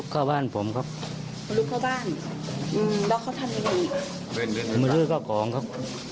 เคยเอาไปรึครับ